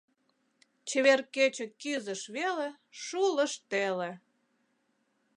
Чевер кече Кӱзыш веле — Шулыш теле.